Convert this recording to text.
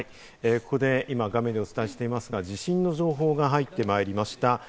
ここで今、画面でお伝えしていますが、地震の情報が入ってまいりました。